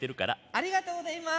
ありがとうございます。